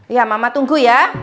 iya mama tunggu ya